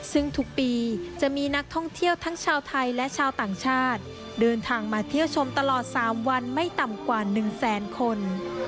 ซึ่งทุกปีจะมีนักท่องเที่ยวทั้งชาวไทยและชาวต่างชาติเดินทางมาเที่ยวชมตลอด๓วันไม่ต่ำกว่า๑แสนคน